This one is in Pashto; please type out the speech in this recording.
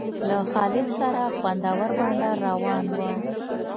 له خالد سره خوندور بنډار روان و.